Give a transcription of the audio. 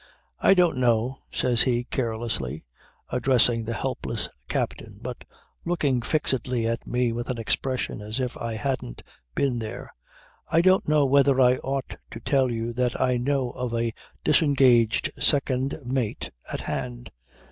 "I don't know," says he carelessly, addressing the helpless captain but looking fixedly at me with an expression as if I hadn't been there. "I don't know whether I ought to tell you that I know of a disengaged second mate at hand."